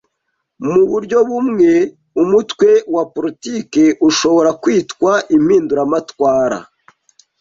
Mu buryo bumwe, umutwe wa politiki ushobora kwitwa impinduramatwara.